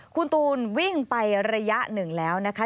คุณตูนวิ่งไประยะหนึ่งแล้วนะคะ